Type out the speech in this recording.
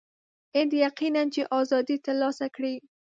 هند یقیناً چې آزادي ترلاسه کړي.